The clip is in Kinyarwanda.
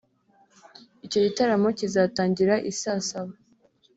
Icyo gitaramo kizatangira isaa saba